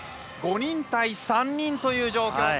５人対３人という状況。